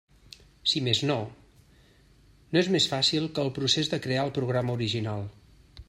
Si més no, no és més fàcil que el procés de crear el programa original.